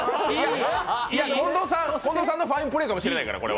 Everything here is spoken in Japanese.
近藤さんのファインプレーかもしれないから、これは。